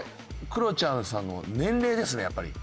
クロちゃんさんの年齢ですねやっぱり。